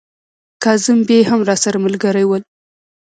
کاظم بې هم راسره ملګري ول.